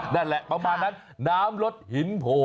นั่นแหละประมาณนั้นน้ำรถหินโผล่